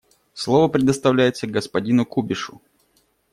Слово предоставляется господину Кубишу.